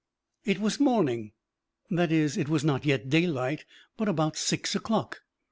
It was morning, that is, it was not yet daylight, but about six o'clock.